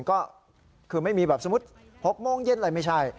ก็คือไม่มีแบบสมมุติ๖โมงเย็นอะไรไม่ใช่